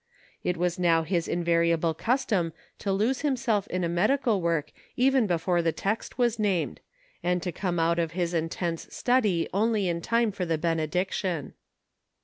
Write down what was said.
It was now his invariable custom to lose himself in a medical work even before the text was named, and to come out of his intense study only in time for the benediction.